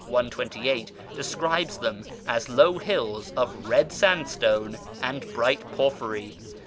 128, describes them as low hills of red sandstone and bright porphyry.